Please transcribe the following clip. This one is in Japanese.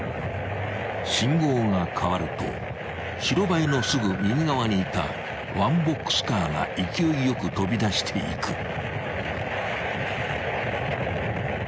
［信号が変わると白バイのすぐ右側にいたワンボックスカーが勢いよく飛び出していく］